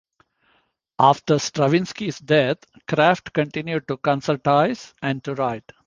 After Stravinsky's death, Craft continued to concertize and to write.